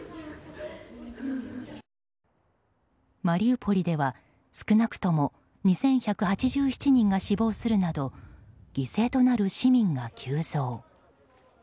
マリウポリでは少なくとも２１８７人が死亡するなど犠牲となる市民が急増。